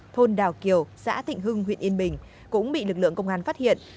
thôn đào kiều xã thịnh hưng huyện yên bình cũng bị lực lượng công an phát hiện